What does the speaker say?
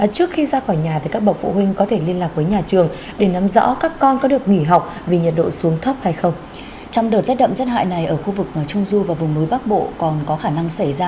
trước khi ra khỏi nhà thì các bậc phụ huynh có thể liên lạc với nhà trường để nắm rõ các con có được nghỉ học vì nhiệt độ xuống thấp hay không